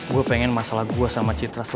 gue pengen masalah gue sama citra